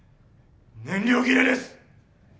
燃料切れです。